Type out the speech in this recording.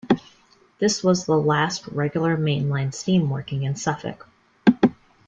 This was the last regular main line steam working in Suffolk.